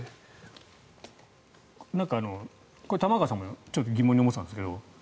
なんか玉川さんも疑問に思っていたんですけど